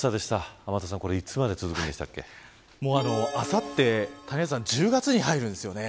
天達さん、いつまであさって１０月に入るんですよね。